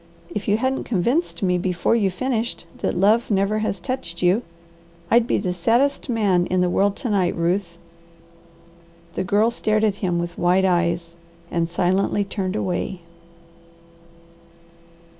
If you hadn't convinced me before you finished that love never has touched you, I'd be the saddest man in the world to night, Ruth." The Girl stared at him with wide eyes and silently turned away.